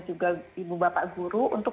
juga ibu bapak guru untuk